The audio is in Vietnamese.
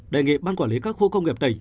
đề nghị ban quản lý các khu công nghiệp tỉnh